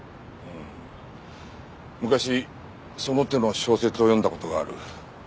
昔その手の小説を読んだ事がある。